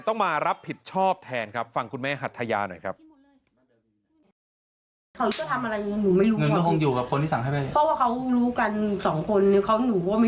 ต้องมารับผิดชอบแทนครับฟังคุณแม่หัทยาหน่อยครับ